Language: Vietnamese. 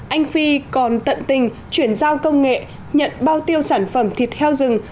anh phi còn tận tình chuyển giao công nghệ nhận bao tiêu sản phẩm thịt heo rừng